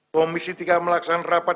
komisi tiga melaksanakan rapat